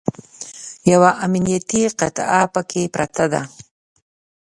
یوه امنیتي قطعه پکې پرته ده.